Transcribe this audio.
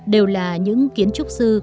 đều là những kiến trúc sư